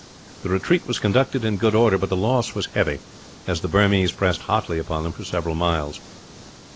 The retreat was conducted in good order, but the loss was heavy, as the Burmese pressed hotly upon them for several miles.